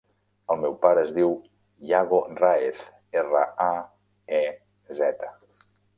El meu pare es diu Iago Raez: erra, a, e, zeta.